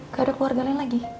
gak ada keluarganya lagi